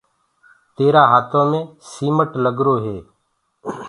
تيرآ هآتو مي سيمٽ لگرو هي۔